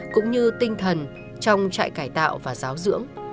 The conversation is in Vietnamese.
cũng như tinh thần trong trại cải tạo và giáo dưỡng